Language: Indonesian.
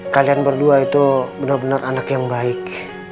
kalian berdua itu benar benar anak yang baik